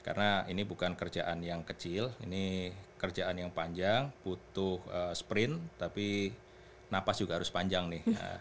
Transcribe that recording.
karena ini bukan kerjaan yang kecil ini kerjaan yang panjang butuh sprint tapi napas juga harus panjang nih